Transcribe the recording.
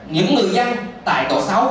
những người dân tại tổ sáu